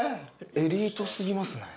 エリート過ぎますね。